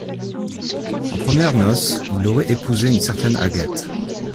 En premières noces, il aurait épousé une certaine Agathe.